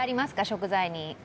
食材に。